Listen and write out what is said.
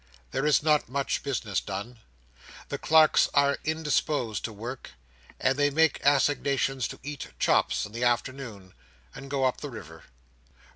There is not much business done. The clerks are indisposed to work; and they make assignations to eat chops in the afternoon, and go up the river.